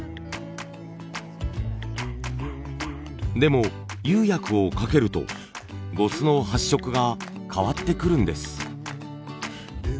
でも釉薬をかけると呉須の発色が変わってくるんです。